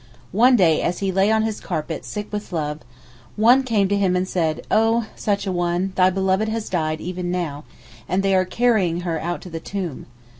One day as he lay on his carpet sick with love, one came to him and said, O, such a one, thy beloved has died even now, and they are carrying her out to the tomb.